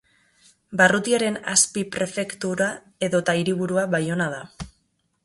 Barrutiaren azpi-prefektura edota hiriburua Baiona da.